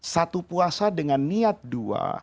satu puasa dengan niat dua